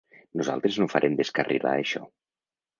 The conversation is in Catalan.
Nosaltres no farem descarrilar això.